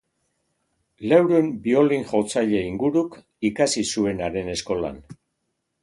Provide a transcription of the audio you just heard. Laurehun biolin-jotzaile inguruk ikasi zuen haren eskolan.